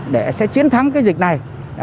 để sẽ chiến thắng dịch này